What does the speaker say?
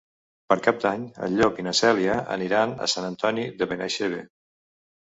Per Cap d'Any en Llop i na Cèlia aniran a Sant Antoni de Benaixeve.